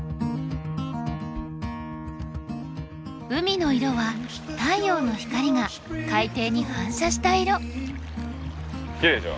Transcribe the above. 海の色は太陽の光が海底に反射した色。